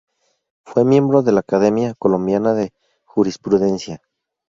Fue Miembro de la Academia Colombiana de Jurisprudencia.